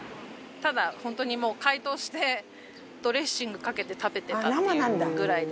ただ本当にもう解凍してドレッシングかけて食べてたっていうぐらいで。